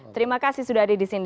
terima kasih sudah ada di sini